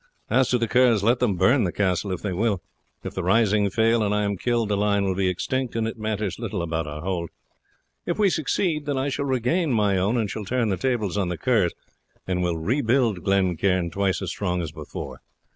As to the Kerrs, let them burn the castle if they will. If the rising fail, and I am killed, the line will be extinct, and it matters little about our hold. If we succeed, then I shall regain my own, and shall turn the tables on the Kerrs, and will rebuild Glen Cairn twice as strong as before.